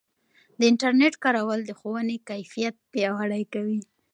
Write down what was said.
د انټرنیټ کارول د ښوونې کیفیت پیاوړی کوي.